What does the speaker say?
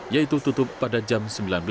yaitu tutup pada jam sembilan belas